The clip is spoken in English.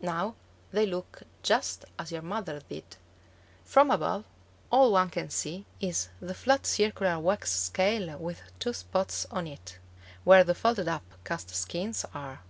Now they look just as your mother did. From above, all one can see is the flat circular wax scale with two spots on it, where the folded up cast skins are.